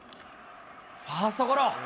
ファーストゴロ。